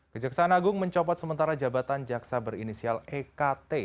kejaksaan agung mencopot sementara jabatan jaksa berinisial ekt